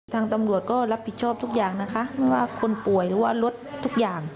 ทางตำรวจก็รับผิดชอบทุกอย่างนะคะไม่ว่าคนป่วยหรือว่ารถทุกอย่าง